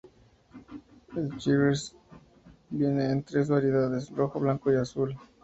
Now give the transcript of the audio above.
El Cheshire viene en tres variedades: rojo, blanco y azul.